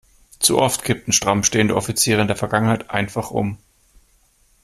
Zu oft kippten stramm stehende Offiziere in der Vergangenheit einfach um.